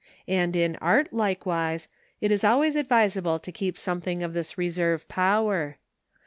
And in art, likewise, it is always advisable to keep something of this reserve power.